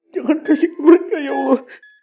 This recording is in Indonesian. jangan kasih keberanian ya allah